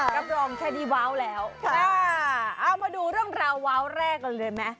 รับรองแค่นี้ว้าวแล้วค่ะเอามาดูเรื่องราวว้าวแรกกันเลยไหม